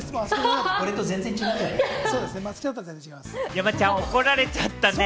山ちゃん、怒られちゃったねぇ。